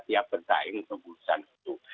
siap berdaing keputusan itu